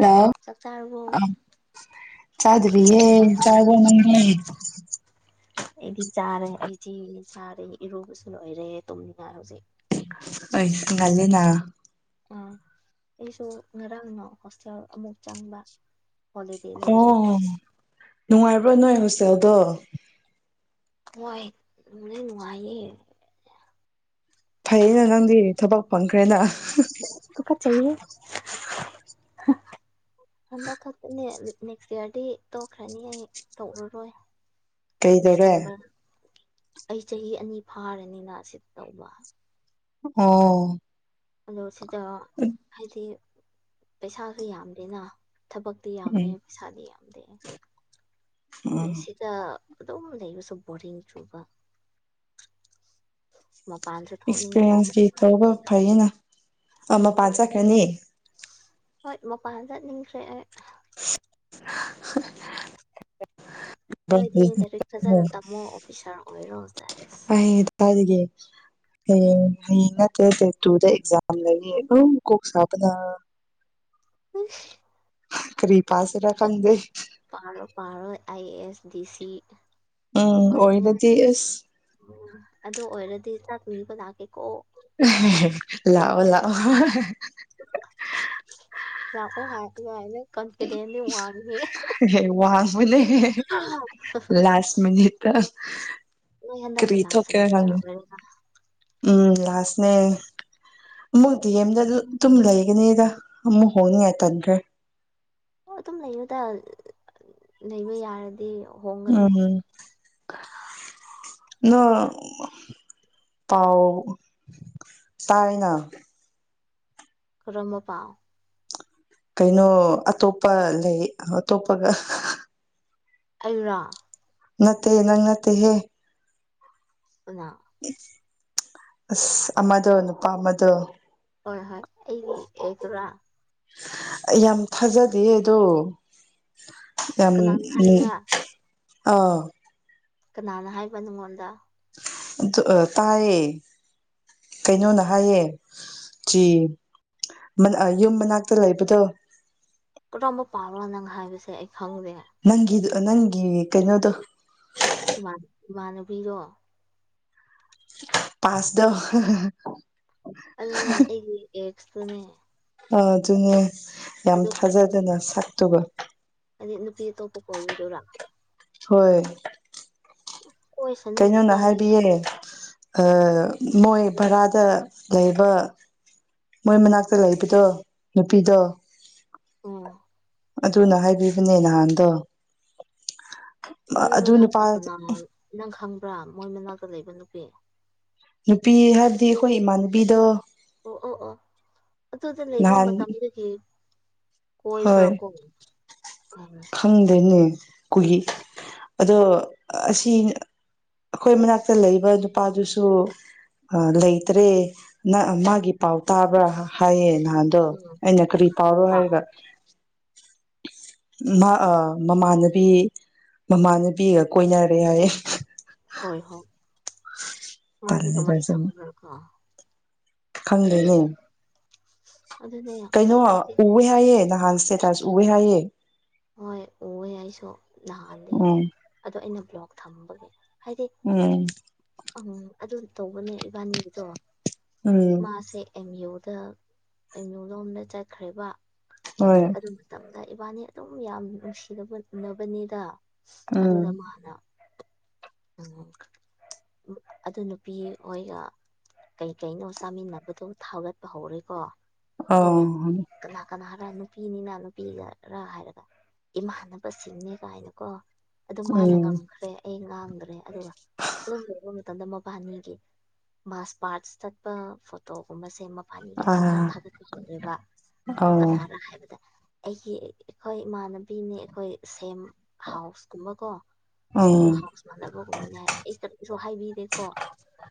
hello ꯆꯥꯛ ꯆꯥꯔꯕꯣ ꯆꯥꯗ꯭ꯔꯤ ꯌꯦ ꯆꯥꯔ꯭ꯕꯣ ꯅꯥꯪꯗꯤ ꯑꯩꯗꯤ ꯆꯥꯔꯦ ꯑꯩꯗꯤ ꯆꯥꯔꯦ ꯏꯔꯨꯕꯁꯨ ꯂꯣꯏꯔꯦ ꯇꯨꯝꯅꯤꯡꯉꯥꯏ ꯍꯧꯖꯤꯛ ꯍꯒꯒꯥꯂꯤꯅꯥ ꯑꯥ ꯑꯩꯁꯨ ꯉꯔꯥꯡꯅ ꯍꯣꯁꯇꯦꯜ ꯑꯃꯨꯛ ꯆꯪꯕ ꯍꯣꯂꯤꯗꯦ ꯂꯣꯏꯔꯦ ꯑꯣ ꯑꯩꯈꯣꯏꯒꯤ ꯅꯨꯡꯉꯥꯏꯕ꯭ꯔꯥ ꯅꯣꯏ ꯍꯣꯁꯇꯦꯜꯗꯣ ꯍꯣꯏ ꯃ ꯅꯨꯡꯉꯥꯏꯌꯦ ꯐꯩꯌꯦꯩꯅ ꯅꯪꯗꯤ ꯊꯕꯛ ꯐꯪꯈ꯭ꯔꯦꯅ ꯆꯌꯦ [unintelligible] ꯍꯟꯗꯛ ꯈꯛꯇꯅꯦ ꯅꯦꯛꯁ ꯏꯌꯥꯔꯗꯤ ꯇꯣꯛꯈ꯭ꯔꯅꯤ ꯑꯩ ꯇꯧꯔꯨꯔꯣꯏ ꯀꯩꯗꯧꯔꯦ ꯗꯤꯁꯦꯝꯕꯔ ꯑꯩ ꯆꯍꯤ ꯑꯅꯤ ꯐꯥꯔꯅꯤꯅ ꯁꯤ ꯇꯧꯕ ꯑꯣ ꯑꯗꯣ ꯁꯤꯗ ꯍꯥꯏꯗꯤ ꯄꯩꯁꯥꯁꯨ ꯌꯥꯝꯗꯦꯅ ꯊꯕꯛꯇꯤ ꯌꯥꯝꯃꯦ ꯎꯝ ꯄꯩꯁꯥꯗꯤ ꯌꯥꯝꯗꯦ ꯎꯝ ꯌꯦꯁꯤꯗ ꯌꯨꯝ ꯂꯩꯕ ꯁꯔꯤ ꯆꯨꯕ ꯃꯄꯥꯟꯁꯨ ꯊꯣꯛꯅꯤꯡꯉꯤꯅ ꯑꯦꯛꯁꯄꯤꯔꯤꯌꯦꯟꯁ ꯃꯔꯛ ꯀ ꯃꯔꯛꯇꯤ ꯇꯧꯕ ꯐꯌꯦꯅ ꯑꯃ ꯄꯥ ꯍꯣꯏ ꯆꯠꯀꯅꯤ ꯍꯣꯏ ꯃꯄꯥꯟ ꯆꯠꯅꯤꯡꯁꯦ [unintelligible] ꯅꯣꯏꯗꯤ ꯂꯦꯕꯤꯛꯛꯇꯖ ꯇ ꯃ ꯑꯣꯐꯤꯁꯔ ꯑꯣꯏꯔꯣ ꯆꯁ ꯑꯩ [unintelligible] ꯍꯌꯦꯡ ꯍꯌꯦꯡ ꯅꯠꯇꯦ ꯗꯦꯠ ꯇꯨꯗ ꯑꯦꯛꯖꯥꯝ ꯂꯩꯌꯦ ꯑꯗꯨꯝ ꯀꯣꯛ ꯁꯥꯕꯅ ꯎꯝ ꯀꯔꯤ ꯄꯥꯁꯤꯔ ꯈꯪꯗꯦ ꯄꯔꯣ ꯄꯔꯣ ꯑ ꯑꯦꯁ ꯗꯤ ꯁꯤ ꯎꯝ ꯑꯣꯏꯅꯤꯉꯥꯏ ꯑꯣꯏꯔꯗꯤ ꯑꯁ ꯑꯗꯨ ꯑꯣꯏꯔꯗꯤ ꯆ ꯊꯣꯡꯅꯤꯕ ꯂꯥꯛꯀꯦꯀꯣ ꯂꯑꯣ ꯂꯑꯣ ꯂꯥꯛꯑꯣ ꯍꯥꯏ ꯍꯥꯏꯅ ꯀꯟꯐꯤꯗꯦꯟꯗꯤ ꯋꯥꯡꯉꯦ ꯍꯦ ꯋꯥꯕꯨꯅꯦ ꯂꯥꯁ ꯃꯤꯅꯤꯠ ꯍꯅ ꯂꯥꯁ ꯁꯦꯃꯤꯁꯇꯔ ꯑꯣꯏ ꯎꯝ ꯂꯥꯁꯅꯦ ꯑꯃꯨꯛꯗꯤ ꯑꯦꯝꯗ ꯑꯗꯨ ꯑꯗꯨꯝ ꯂꯩ ꯅꯦꯗ ꯑꯃꯝ ꯍꯣꯡꯅꯤꯤ ꯍꯥꯏ ꯇꯟ꯭ꯔꯦ ꯑꯣ ꯑꯗꯨꯝ ꯂꯩꯅꯗ ꯂꯩꯕ ꯌꯥꯔꯗꯤ ꯍꯣꯡꯒꯅꯨ ꯎꯝꯝ ꯅꯪ ꯄꯥꯎ ꯇꯥꯏꯅ ꯀꯝꯕ ꯄꯥꯎ ꯀꯩꯅꯣ ꯑꯇꯣꯞꯄ ꯂꯩ ꯑꯇꯣꯞꯄꯒ ꯑꯩꯔꯥ ꯅꯠꯇꯦ ꯅꯪꯉꯠꯇꯦ ꯍꯦ ꯑ ꯑꯁ ꯑꯃꯗꯣ ꯅꯨꯄꯥ ꯑꯃꯗꯣ ꯍꯣꯏ ꯍꯣꯏ ꯑꯩꯒꯤ ꯑꯦꯛꯁꯔꯥ ꯌꯥꯝ ꯊꯥꯖꯗꯦ ꯑꯗꯣ ꯑꯝ ꯀꯅꯥꯅ ꯍꯥꯏꯕ꯭ꯔꯥ ꯑ ꯀꯅꯥꯅ ꯍꯥꯏꯕ ꯅꯪꯉꯣꯟꯗ ꯑꯗꯨ ꯇꯌꯦ ꯀꯩꯅꯣꯅ ꯍꯥꯏꯌꯦ ꯆ ꯌꯨꯝ ꯃꯅꯥꯛꯇ ꯂꯩꯕꯗꯣ ꯀꯔꯝꯕ ꯄꯥꯎꯔꯣ ꯅꯪ ꯍꯥꯏꯕꯁꯦ ꯑꯩ ꯈꯪꯗꯦ ꯅꯪꯒꯤ ꯅꯪꯒꯤ ꯀꯩꯅꯣꯗꯣ ꯏꯃꯥꯟꯅꯕꯤꯒꯣ ꯄꯥꯁꯗ ꯑꯗꯨꯅꯦ ꯑꯩꯒꯤ ꯑꯦꯛꯁꯇꯨꯅꯦ ꯑ ꯑꯗꯨꯅꯦ ꯌꯥꯝ ꯑꯗꯨ ꯊꯥꯖꯗꯅ ꯁꯛꯇꯨꯕ ꯍꯥꯏꯗꯤ ꯅꯨꯄꯤ ꯑꯇꯣꯞꯄ ꯀꯣꯏꯕꯤꯗꯨꯣꯏꯔꯥ ꯍꯣꯏ ꯀꯣꯏꯁꯅꯨ ꯀꯩꯅꯣꯅ ꯃꯕꯥꯅꯤ ꯍꯥꯏꯕꯤꯌꯦꯦ ꯃꯣꯏ ꯚꯔꯥꯗ ꯂꯩꯕ ꯃꯣꯏ ꯃꯅꯥꯛꯇ ꯂꯩꯕꯗꯣ ꯅꯨꯄꯤꯗꯣ ꯎꯝ ꯑꯗꯨꯅ ꯍꯥꯏꯕꯤꯕꯅꯦ ꯅꯍꯥꯟꯗꯣ ꯃꯣꯏ ꯑꯗꯨ ꯅꯨꯄꯥ ꯃꯅꯥꯛꯇꯗꯅ ꯅꯪ ꯈꯪꯕ꯭ꯔꯥ ꯃꯣꯏ ꯃꯅꯥꯛꯇ ꯂꯩꯕ ꯅꯨꯄꯤ ꯅꯨꯄꯤ ꯍꯥꯏꯕꯗꯤ ꯑꯩꯈꯣꯏ ꯏꯃꯥꯟꯅꯕꯤꯗ ꯑꯣ ꯑꯣ ꯑꯣ ꯑꯗꯨꯗ ꯂꯩꯕ ꯅꯍꯥꯟ ꯃꯇꯝꯗꯨꯒꯤ ꯍꯣꯏ ꯎꯝ ꯈꯪꯗꯦꯅꯦ ꯀꯈꯒꯤ ꯑꯗꯣ ꯑꯁꯤ ꯑꯩꯈꯣꯏ ꯃꯅꯥꯛꯇ ꯂꯩꯕ ꯅꯨꯄꯥꯗꯨꯁꯨ ꯑ ꯂꯩꯇ꯭ꯔꯦ ꯃꯥꯒꯤ ꯄꯥꯎ ꯇꯥꯕ꯭ꯔꯥ ꯍꯥꯏꯌꯦ ꯅ ꯑꯗꯣ ꯑꯩꯅ ꯀꯔꯤ ꯀꯔꯝꯕ ꯄꯥꯎꯔꯣ ꯄꯥꯎ ꯍꯥꯏꯔꯒ ꯃꯃꯥꯟꯅꯕꯤ ꯃꯃꯥꯟꯅꯕꯤꯒ ꯀꯣꯏꯅꯔꯦ ꯍꯥꯏꯌꯦ ꯍꯣꯏ ꯍꯣꯏ ꯃꯥꯗꯤ ꯀꯃꯥꯏ ꯈꯪꯕ꯭ꯔꯀꯣ ꯈꯪꯗꯣꯏꯅꯦ ꯑꯗꯨꯅꯦ ꯀꯩꯅꯣ ꯍꯥꯏꯗꯤ ꯎꯋꯦ ꯍꯥꯏꯑꯦ ꯅꯍꯥꯟ ꯁꯦꯇꯥꯔꯁꯨ ꯎꯋꯦ ꯍꯥꯏꯌꯦꯦ ꯍꯣꯏ ꯎꯑꯦ ꯑꯩꯁꯨ ꯅꯍꯥꯟꯜꯂꯤꯦ ꯎꯝ ꯑꯗꯣ ꯑꯩꯅ ꯕ꯭ꯂꯣꯛ ꯊꯝꯕꯒꯤ ꯍꯥꯏꯗꯤ ꯎꯝ ꯎꯝ ꯑꯗꯨ ꯇꯧꯕꯅꯦ ꯏꯕꯥꯅꯤꯒꯤꯗꯣ ꯎꯝ ꯃꯥꯁꯦ ꯑꯦꯝ ꯌꯨꯗ ꯑꯦꯝ ꯌꯨ ꯂꯣꯝꯗ ꯆꯠꯈ꯭ꯔꯦꯕ ꯍꯣꯏ ꯑꯗꯨ ꯃꯇꯝ ꯑ ꯏꯕꯥꯅꯤ ꯑꯗꯨꯝ ꯌꯥꯝ ꯅꯨꯡꯁꯤꯅꯕ ꯎꯅꯕꯅꯤꯗ ꯑꯗꯨꯗ ꯎꯝ ꯃꯥꯅ ꯎꯝ ꯑꯗꯨ ꯅꯨꯄꯤ ꯍꯣꯏꯒ ꯀꯩ ꯀꯩꯅꯣ ꯆꯥꯃꯤꯟꯅꯕꯗꯣ ꯊꯥꯒꯠꯄ ꯍꯧꯔꯦꯀꯣ ꯑ ꯀꯅꯥꯒꯔ ꯅꯨꯄꯤꯅꯤꯅ ꯅꯨꯄꯤꯒꯔ ꯍꯥꯏꯔꯒ ꯏꯃꯥꯟꯅꯕꯁꯤꯡꯅꯦ ꯀꯥꯏꯅꯀꯣ ꯑꯗꯨ ꯃꯥꯅ ꯎꯝ ꯉꯝꯈ꯭ꯔꯦ ꯑꯩ ꯉꯥꯡꯗ꯭ꯔꯦ ꯑꯗꯨꯒ ꯑꯗꯨꯝꯕ ꯃꯕꯥꯅꯤꯒꯤ ꯃꯥꯁ ꯄꯥꯔꯠꯁ ꯆꯠꯄ ꯐꯣꯇꯣꯒꯨꯝꯕꯁꯦ ꯐꯥꯅꯤꯒꯦ ꯈꯛꯇ ꯑꯥ ꯊꯥꯒꯠꯄ ꯍꯧꯔꯦꯕ ꯑꯥ ꯀꯅꯥꯔ ꯍꯥꯏꯕꯗ ꯑꯩꯒꯤ ꯑꯩꯈꯣꯏ ꯏꯃꯥꯟꯅꯕꯤꯅꯤ ꯑꯩꯈꯣꯏ ꯁꯦꯝ ꯍꯥꯎꯁꯀꯨꯝꯕꯀꯣ ꯑꯗꯣ ꯎꯝ ꯍꯥꯎꯁ ꯃꯥꯟꯅꯕꯒꯨꯝꯕꯅꯦ ꯍꯥꯏ ꯑꯩ ꯀꯔꯤ ꯀꯩꯁꯨ ꯍꯥꯏꯕꯤꯗꯦꯀꯣ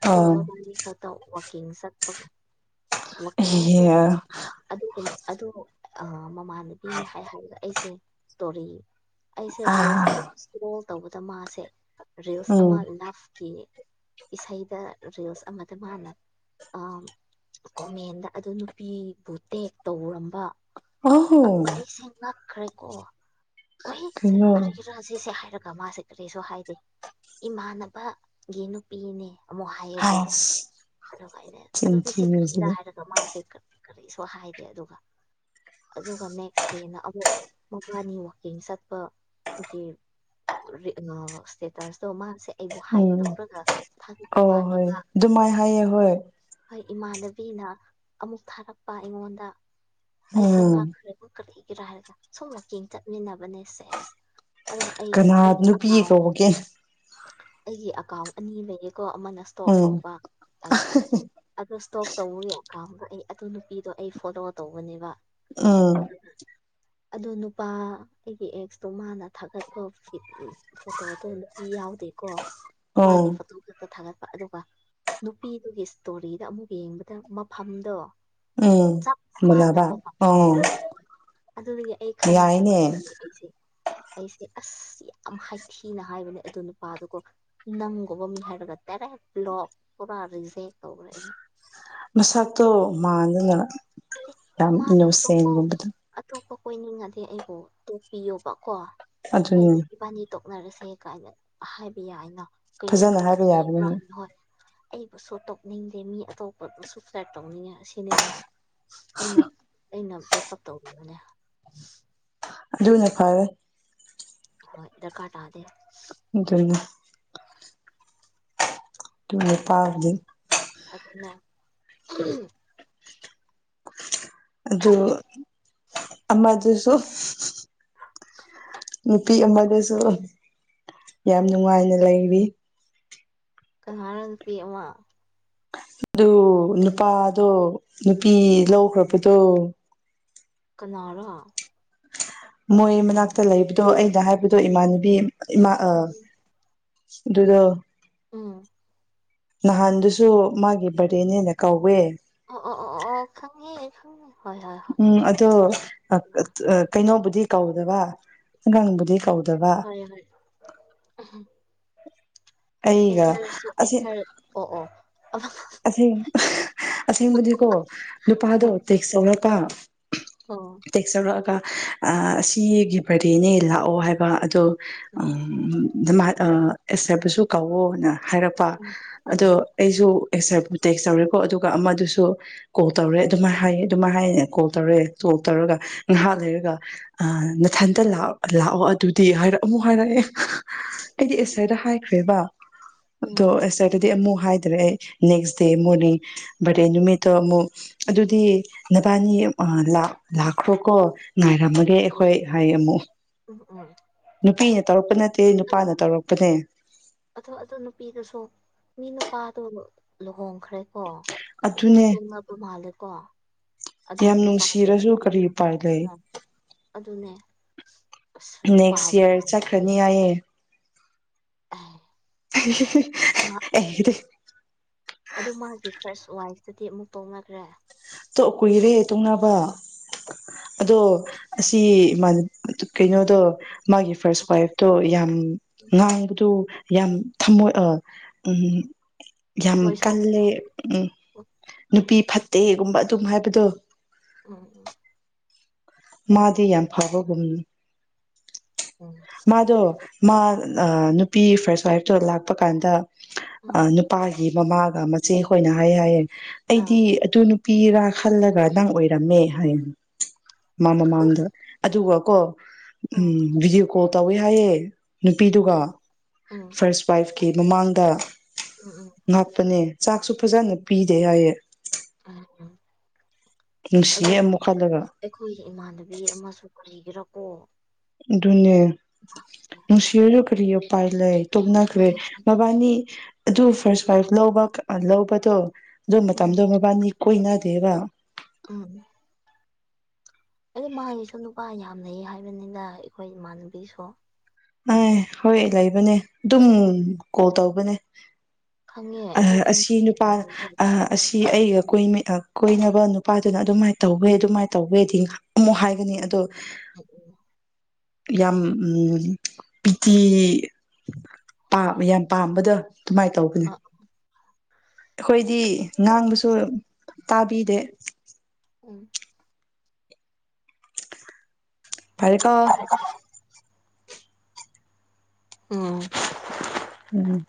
ꯑꯗꯨꯒ ꯑꯥ ꯃꯕꯥꯕꯤ ꯈꯛꯇꯧ ꯋꯥꯋꯀꯤꯡ ꯆꯠꯄ ꯋꯥꯋꯀꯤꯡ ꯅꯠꯇꯦ ꯑꯗꯨꯒꯨꯝ ꯑꯗꯨ ꯑ ꯃꯃꯥꯟꯅꯨꯄꯤꯅꯦ ꯍꯥꯏ ꯍꯥꯏꯔꯒ ꯑꯩꯁꯦ ꯏꯁꯇꯣꯔꯤ ꯑꯩꯁꯦ ꯔꯤꯜꯁ ꯑꯗꯨꯝ ꯑꯥ ꯏꯁ ꯏꯁꯇꯣꯜ ꯇꯧꯕꯗ ꯃꯥꯁꯦ ꯔꯤꯜꯁ ꯎꯝ ꯑꯃ ꯂꯚꯀꯤ ꯏꯁꯩꯗ ꯔꯤꯜꯁ ꯑꯃꯗ ꯃꯥꯅ ꯑ ꯀꯣꯃꯦꯟꯗ ꯑꯗꯨ ꯅꯨꯄꯤꯕꯨ ꯇꯦꯛ ꯇꯧꯔꯝꯕ ꯑꯗꯨ ꯑꯣ ꯑꯩꯁꯦ ꯉꯛꯈ꯭ꯔꯦꯀꯣ ꯑꯣꯏꯍꯦꯛꯈ ꯀꯩꯅꯣ ꯔꯥꯖꯦꯁꯦ ꯍꯥꯏꯔꯛꯄ ꯑꯗꯨꯒ ꯃꯥꯁꯦ ꯀꯔꯤꯁꯨ ꯍꯥꯏꯗꯦ ꯏꯃꯥꯟꯅꯕꯒꯤ ꯅꯨꯄꯤꯅꯦ ꯑꯃꯨꯛ ꯍꯥꯏꯌꯦꯀꯣ ꯍꯥꯏꯁ ꯑꯗꯨꯒ ꯑꯩꯅ ꯑꯗꯨꯗꯤ ꯁꯤꯈ꯭ꯔꯤꯔꯥ ꯆꯤꯟꯊꯤꯕꯁꯤꯗꯤ ꯍꯥꯏꯔꯒ ꯃꯥꯁꯤ ꯀꯔꯤꯁꯨ ꯍꯥꯏꯗꯦ ꯑꯗꯨꯒ ꯑꯗꯨꯒ ꯅꯦꯛꯁ ꯗꯦꯅ ꯑꯃꯨꯛ ꯃꯕꯥꯅꯤ ꯋꯀꯤꯡ ꯆꯠꯄ ꯑꯩꯈꯣꯏꯒꯤ ꯑ ꯁꯦꯇꯁ ꯇꯣ ꯃꯥꯁꯦ ꯑꯩꯕꯨ ꯍꯥꯏꯛ ꯎꯝ ꯇꯧꯔꯒ ꯊꯥꯒꯠꯄ ꯑꯣ ꯍꯣꯏ ꯃꯥꯜꯂꯦꯕ ꯑꯗꯨꯃꯥꯏ ꯍꯥꯏꯌꯦ ꯑꯗꯨꯒ ꯍꯣꯏ ꯍꯣꯏ ꯏꯃꯥꯟꯅꯕꯤꯅ ꯑꯃꯨꯛ ꯊꯥꯔꯛꯄ ꯑꯩꯉꯣꯟꯗ ꯑꯩꯁꯦ ꯎꯝ ꯉꯥꯛꯈ꯭ꯔꯦꯕꯈꯂꯛꯏ ꯀꯔꯣ ꯍꯥꯏꯔꯒ ꯁꯨꯝ ꯋꯥꯛꯀꯤꯡ ꯆꯠꯃꯤꯟꯅꯕꯅꯦꯁꯦꯁ ꯀꯅꯥ ꯅꯨꯄꯤ ꯀꯧꯕꯒꯦ ꯑꯩꯒꯤ ꯑꯦꯀꯥꯎꯟ ꯑꯅꯤ ꯂꯩꯌꯦ ꯀꯣ ꯑꯃꯅ ꯏꯁꯇꯣꯛ ꯎꯝ ꯇꯧꯕ ꯍꯥꯏꯗꯤ ꯑꯣ ꯏꯁꯇꯣꯛ ꯇꯧꯕꯒꯤ ꯑꯩ ꯑꯗꯨ ꯅꯨꯄꯤꯗꯣ ꯑꯩ ꯐꯣꯂꯣ ꯇꯧꯕꯅꯦꯕ ꯎꯝ ꯑꯗ ꯅꯨꯄꯥ ꯑꯩꯒꯤ ꯑꯦꯛꯁꯇꯣ ꯃꯥꯅ ꯊꯥꯒꯠꯄ ꯎ ꯐꯣꯇꯣ ꯅꯨꯄꯤ ꯌꯥꯎꯗꯦꯀꯣ ꯎꯝ ꯃꯥꯒꯤ ꯐꯣꯇꯣ ꯈꯛꯇ ꯊꯥꯒꯠꯄ ꯑꯗꯨꯒ ꯅꯨꯄꯤꯗꯨꯒꯤ ꯏꯁꯇꯣꯔꯤꯗ ꯑꯃꯨꯛ ꯌꯦꯡꯕꯗ ꯃꯐꯝꯗꯣ ꯎꯝ ꯆꯞ ꯂꯕ ꯃꯥꯟꯅꯕ ꯃꯐꯝ ꯑꯣ ꯑꯣꯏꯕ ꯍꯣꯏ ꯑꯗꯨꯗꯒꯤ ꯑꯩ ꯈꯪꯈ꯭ꯔꯕ ꯌꯥꯏꯅꯦ ꯑꯗꯨ ꯑꯩꯁꯦ ꯑꯩꯁꯦ ꯑꯁ ꯌꯥꯝ ꯍꯥꯏꯊꯤ ꯊꯤꯅ ꯍꯥꯏꯕꯅꯦ ꯑꯗꯨ ꯅꯨꯄꯥꯗꯨꯒꯣ ꯅꯪꯒꯨꯝꯕ ꯃꯤ ꯍꯥꯏꯔꯒ ꯇꯔꯦꯛ꯭ꯂꯣꯛ ꯄꯨꯔꯥꯔꯤꯁꯦ ꯇꯧꯈ꯭ꯔꯛꯏꯅꯦ ꯃꯁꯥꯠꯇꯣ ꯃꯥꯡꯅꯅꯅ ꯍꯥꯏꯗꯤ ꯌꯥꯝ ꯃꯥꯅ ꯏꯅ ꯑꯇꯣꯞꯄ ꯁꯦꯟꯒꯨꯝꯕꯗ ꯑꯇꯣꯞꯄ ꯀꯣꯏꯅꯤꯡꯉꯗꯤ ꯑꯩꯕꯨ ꯇꯣꯛꯄꯤꯌꯣꯕꯀꯣ ꯑꯗꯨꯅꯤ ꯍꯥꯏꯗꯤ ꯏꯕꯥꯅꯤ ꯇꯣꯛꯅꯔꯁꯦ ꯀꯥꯏꯅ ꯍꯥꯏꯕ ꯌꯥꯏꯅ ꯀꯩ ꯐꯖꯅ ꯀ ꯍꯥꯏꯕ ꯌꯥꯕꯅꯦ ꯏꯕ꯭ꯔꯥ ꯍꯥꯏꯅꯣ ꯍꯣꯏ ꯑꯩꯕꯨꯁꯨ ꯇꯧꯅꯤꯡꯗꯦ ꯃꯤ ꯑꯇꯣꯞꯄꯕꯨꯁꯨ ꯐ꯭ꯂꯥꯏꯠ ꯇꯧꯅꯤꯡꯉꯦ ꯑꯁꯤ ꯁꯤꯅꯦꯕ ꯑꯩꯅ ꯑꯩꯅ ꯕ꯭ꯔꯦꯛ ꯑꯞ ꯇꯧꯈꯤꯕꯅꯦ ꯑꯗꯨꯨꯅ ꯐꯔꯦ ꯍꯣꯏ ꯏꯗꯔ ꯈꯥ ꯇꯗꯦ ꯎ ꯇ ꯄꯥꯔꯗ ꯑꯗꯨꯅ ꯑꯗꯨ ꯑꯃꯗꯨꯁꯨ ꯅꯨꯄꯤ ꯑꯃꯗꯁꯨ ꯌꯥꯝ ꯅꯨꯡꯉꯥꯏꯅ ꯂꯩꯔꯤ ꯀꯍꯅ ꯅꯨꯄꯤꯤꯃ ꯑꯗꯨ ꯅꯨꯄꯥꯗꯣ ꯅꯨꯄꯤ ꯂꯧꯈ꯭ꯔꯕꯗꯣ ꯀꯅꯥꯔꯥ ꯃꯣꯏ ꯃꯅꯥꯛꯇ ꯂꯩꯕꯗꯣ ꯑꯩꯅ ꯍꯥꯏꯕꯗꯣ ꯏꯃꯥꯟꯅꯕꯤ ꯏꯃꯥ ꯑ ꯎꯝ ꯑꯗꯨꯗꯣ ꯎꯝ ꯅꯍꯥꯟꯗꯨꯁꯨ ꯃꯥꯒꯤ ꯕꯔꯦꯅꯦꯅ ꯀꯧꯋꯦ ꯑꯣ ꯑꯣ ꯑꯣ ꯑꯣ ꯑꯣ ꯈꯪꯉꯦ ꯈꯪꯉꯦ ꯍꯣꯏ ꯍꯣꯏ ꯍꯣꯏ ꯎꯝ ꯑꯗꯣ ꯎꯝ ꯀꯩꯅꯣꯕꯨꯗꯤ ꯀꯧꯗꯕ ꯑꯪꯒꯥꯡꯕꯨꯗꯤ ꯀꯧꯗꯕ ꯍ ꯍ ꯑꯩꯒ ꯑꯁꯦꯡ ꯑꯦꯔꯔ ꯑꯣ ꯑꯣ ꯑꯁꯦꯡ ꯑꯁꯦꯡꯕꯨꯗꯤꯀꯣ ꯅꯨꯄꯥꯗꯣ ꯇꯦꯛꯁ ꯇꯧꯔꯄ ꯑꯣ ꯇꯦꯛ ꯆꯥꯎꯧꯔꯛꯑꯒ ꯑꯁꯤꯒꯤ ꯕꯥꯔꯗꯦꯅꯦ ꯂꯥꯛꯑꯣ ꯍꯥꯏꯕ ꯑꯗꯣ ꯎꯝ ꯎ ꯑꯦꯕꯁꯨ ꯀꯧꯋꯣꯅ ꯍꯥꯏꯔꯛꯄ ꯑꯗꯣ ꯎꯝ ꯑꯩꯁꯨ ꯑꯦꯛꯁꯔꯄ ꯇꯦꯛꯁ ꯇꯧꯔꯦꯀꯣ ꯑꯗꯨꯒ ꯑꯃꯗꯨꯁꯨ ꯀꯣꯜ ꯇꯧꯔꯦ ꯑꯗꯨꯃꯥꯏ ꯍꯥꯏꯌꯦ ꯑꯗꯨꯃꯥꯏ ꯍꯥꯏꯅꯦ ꯀꯣꯜ ꯇꯧꯔꯦ ꯀꯣꯜ ꯇꯧꯔꯒ ꯍꯥꯦꯒ [inaudible] [unintelligible] ꯅꯊꯟꯇ ꯂꯥꯛꯑꯣ ꯑꯗꯨꯗꯤ ꯍꯥꯏꯔꯛ ꯑꯃꯨꯛ ꯍꯥꯏꯔꯛꯑꯦ ꯑꯩꯗꯤ ꯑꯦꯁꯥꯏꯗ ꯍꯥꯏꯈ꯭ꯔꯦꯕ ꯑꯗꯣ ꯎꯝ ꯁꯦꯇꯔꯗꯦ ꯑꯃꯨꯛ ꯍꯥꯏꯗ꯭ꯔꯦ ꯑꯩ ꯅꯦꯛꯁ ꯗꯦ ꯃꯣꯔꯅꯤꯡ ꯕꯔꯗꯦ ꯅꯨꯃꯤꯠꯇꯣ ꯑꯃꯨꯛ ꯑꯗꯨꯗꯤ ꯅꯕꯥꯅꯤ ꯂꯥꯛꯈ꯭ꯔꯣ ꯀꯣ ꯉꯥꯏꯔꯝꯃꯒꯦ ꯑꯩꯈꯣꯏ ꯍꯥꯏꯌꯦ ꯑꯃꯨꯛ ꯎꯝ ꯎꯝ ꯅꯨꯄꯤꯅ ꯇꯧꯔꯛꯄ ꯅꯠꯇꯦ ꯑꯠꯇꯦ ꯅꯨꯄꯥꯅ ꯇꯧꯔꯛꯄꯅꯦ ꯑꯣ ꯑꯗꯨ ꯅꯨꯄꯤꯗꯨꯁꯨ ꯃꯤ ꯅꯨꯄꯥꯗꯣ ꯂꯨꯍꯣꯡ ꯀꯈ꯭ꯔꯦ ꯀꯣ ꯏꯣꯛ ꯑꯗꯨꯅꯦ ꯇꯣꯡꯉ ꯑꯗꯨ ꯃꯥꯜꯂꯦ ꯀꯣ ꯑꯗꯨꯣ ꯌꯥꯝ ꯅꯨꯄꯥꯒꯤ ꯅꯨꯡꯁꯤꯔꯁꯨ ꯀꯔꯤ ꯅꯨꯄꯤꯅ ꯎꯄꯥꯏ ꯂꯩ ꯑ ꯑꯗꯨꯅꯦ ꯑꯁ ꯅꯦꯛꯁ ꯅꯨꯄꯥꯕꯨ ꯏꯌꯥꯔ ꯆꯠꯈ꯭ꯔꯅꯤ ꯌꯥꯏꯌꯦꯦ ꯎꯝ ꯑꯩꯗꯤ ꯑꯗꯨ ꯃꯥꯒꯤ ꯐꯥꯔꯁ ꯋꯥꯏꯐꯇꯗꯤ ꯑꯃꯨꯛ ꯄꯥꯎꯅꯈ꯭ꯔꯦ ꯇꯣ ꯀꯨꯏꯔꯦ ꯇꯨꯡꯅꯕ ꯑꯗꯣ ꯎꯝ ꯑꯁꯤ ꯀꯩꯅꯣꯗꯣ ꯃꯥꯒꯤ ꯐꯥꯔꯁ ꯋꯥꯏꯐꯇꯣ ꯌꯥꯝ ꯉꯥꯡꯕꯗꯨ ꯌꯥꯝ ꯊꯝꯃꯣꯏ ꯑꯥ ꯎꯝꯝ ꯌꯥꯝ ꯊꯃꯣꯏ ꯁꯣꯛꯅ ꯀꯜꯂꯦ ꯎꯝ ꯅꯨꯄꯤ ꯐꯠꯇꯦꯒꯨꯝꯕ ꯑꯗꯨꯝ ꯍꯥꯏꯕꯗꯣ ꯎꯝ ꯎꯝ ꯃꯥꯗꯤ ꯌꯥꯝ ꯐꯕꯒꯨꯝꯅꯤ ꯎꯝ ꯃꯥꯗꯣ ꯃꯥ ꯅꯨꯄꯤ ꯐꯥꯔꯁ ꯋꯥꯏꯐꯇꯣ ꯂꯥꯛꯄ ꯀꯥꯟꯗ ꯑ ꯎꯝ ꯅꯨꯄꯥꯥꯏ ꯃꯃꯥꯒ ꯃꯆꯦꯈꯣꯏꯅ ꯍꯥꯏ ꯍꯥꯏꯌꯦꯦ ꯑꯥ ꯑꯩꯗꯤ ꯑꯗꯨ ꯅꯨꯄꯤꯔꯥ ꯈꯜꯂꯒ ꯅꯪ ꯑꯣꯏꯔꯝꯃꯦ ꯍꯥꯏ [unintelligible] [inaudible] ꯃꯥ ꯃꯃꯥꯡꯗ ꯑꯗꯨꯒ ꯀꯣ ꯎꯝ ꯚꯤꯗꯤꯑꯣ ꯀꯣꯜ ꯇꯧꯋꯦ ꯍꯥꯏꯌꯦꯦ ꯅꯨꯄꯤꯗꯨꯒ ꯎꯝ ꯎꯝ ꯐꯥꯔꯁ ꯋꯥꯏꯐꯀꯤ ꯃꯃꯥꯡꯗ ꯎꯝ ꯉꯥꯛꯄꯅꯦ ꯆꯥꯛꯁꯨ ꯐꯖꯅ ꯄꯤꯗꯦ ꯍꯥꯏꯌꯦꯦ ꯎꯝ ꯎꯝ ꯅꯨꯡꯁꯤꯌꯦ ꯑꯗꯨꯒ ꯑꯃꯨꯛ ꯈꯜꯂꯒ ꯑꯩꯈꯣꯏꯒꯤ ꯏꯃꯥꯟꯅꯕꯤ ꯑꯃꯁꯨ ꯂꯩꯒꯦꯔꯥꯀꯣ ꯨꯅꯦ ꯅꯨꯡꯁꯤꯔꯖ ꯀꯔꯤ ꯄꯥꯏ ꯂꯩ ꯈꯪꯉꯦ ꯇꯣꯛꯅꯈ꯭ꯔꯦ ꯃꯕꯥꯅꯤ ꯑꯗꯨ ꯐꯥꯔꯁ ꯋꯥꯏꯐ ꯂꯧꯕ ꯂꯧꯕꯗꯣ ꯑꯗꯨ ꯎꯝ ꯃꯇꯝꯗꯣ ꯃꯕꯥꯅꯤ ꯀꯣꯏꯅꯗꯦꯕ ꯎꯝ ꯑꯩ ꯃꯥꯒꯤꯁꯨ ꯅꯨꯄꯥ ꯌꯥꯝ ꯂꯩ ꯍꯥꯏꯕꯅꯤꯅ ꯑꯩꯈꯣꯏ ꯏꯃꯥꯟꯅꯕꯤꯁꯨ ꯑ ꯍꯣꯏ ꯂꯩꯕꯅꯦ ꯑꯗꯨꯝ ꯀꯣꯜ ꯇꯧꯕꯅꯦ ꯈꯪꯉꯦ ꯑ ꯑꯩꯁꯨ ꯈꯪꯗꯦ ꯑꯁꯤ ꯅꯨꯄꯥ ꯌꯥꯝ ꯂꯩꯌꯦ ꯑ ꯑꯁꯤ ꯑꯩꯒ ꯀ ꯀꯣꯏꯅꯕ ꯅꯨꯄꯥꯗꯨꯅ ꯑꯗꯨꯃꯥꯏꯅ ꯇꯧꯋꯦ ꯑꯗꯨꯃꯥꯏꯅ ꯇꯧꯋꯦꯗꯤ ꯑꯃꯨꯛ ꯍꯥꯏꯒꯅꯤ ꯑꯗꯣ ꯑꯣ [unintelligible] [inaudible] ꯌꯥꯝ ꯄꯤꯊ ꯄꯥ ꯍꯣꯏ ꯌꯥꯝ ꯄꯥꯝꯕꯗ ꯑꯗꯨꯃꯥꯏꯅ ꯇꯧꯕꯅꯦ ꯑ ꯑꯩꯈꯣꯏꯗꯤ ꯉꯥꯡꯕꯁꯨ ꯇꯥꯕꯤꯗꯦ ꯎꯝ [inaudible] ꯐꯔꯦ ꯀ ꯎꯝ ꯎꯝ